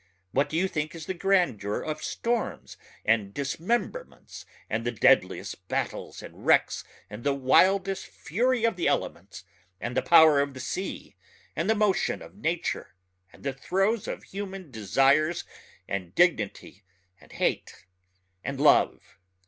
What do you think is the grandeur of storms and dismemberments and the deadliest battles and wrecks and the wildest fury of the elements and the power of the sea and the motion of nature and the throes of human desires and dignity and hate and love?